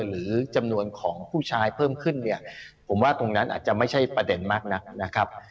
หรือจำนวนของผู้ชายเพิ่มขึ้นเนี่ยผมว่าตรงนั้นอาจจะไม่ใช่ประเด็นมากนักนะครับ